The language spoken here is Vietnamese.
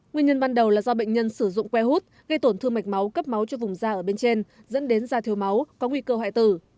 nguyên nhân ban đầu là do bệnh nhân sử dụng que hút gây tổn thương mạch máu cấp máu cho vùng da ở bên trên dẫn đến da thiếu máu có nguy cơ hoại tử